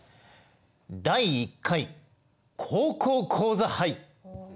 「第１回高校講座杯」！